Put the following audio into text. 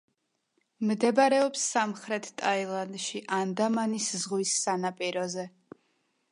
მდებარეობს სამხრეთ ტაილანდში, ანდამანის ზღვის სანაპიროზე.